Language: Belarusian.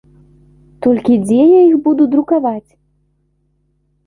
Толькі дзе я іх буду друкаваць?